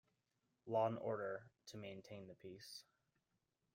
Law and order to maintain the peace.